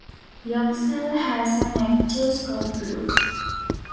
Yoxall has an active Scout group.